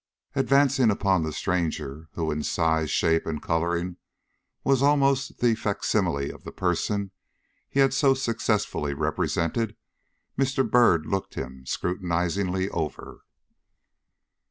Advancing upon the stranger, who in size, shape, and coloring was almost the fac simile of the person he had so successfully represented, Mr. Byrd looked him scrutinizingly over.